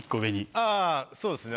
ああそうですね。